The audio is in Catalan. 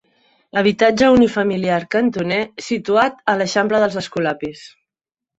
Habitatge unifamiliar cantoner situat a l'eixample dels Escolapis.